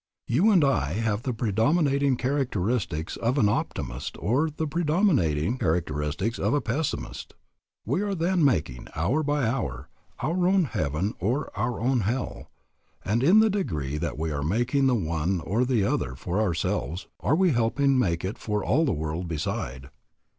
You and I have the predominating characteristics of an optimist or the predominating characteristics of a pessimist. We then are making, hour by hour, our own heaven or our own hell; and in the degree that we are making the one or the other for ourselves are we helping make it for all the world beside.